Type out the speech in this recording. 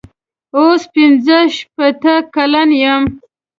اوس پنځه شپېته کلن یم.